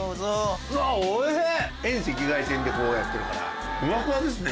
遠赤外線でこうやってるからふわふわですね。